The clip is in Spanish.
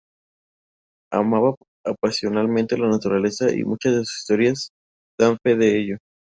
Amaba apasionadamente la naturaleza, y muchas de sus historias dan fe de ello.